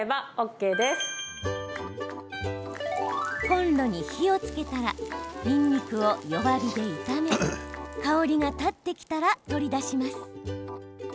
コンロに火をつけたらにんにくを弱火で炒め香りが立ってきたら取り出します。